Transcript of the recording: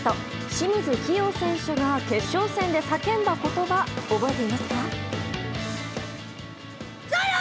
清水希容選手が決勝戦で叫んだ言葉覚えていますか？